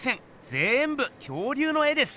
ぜんぶ恐竜の絵です。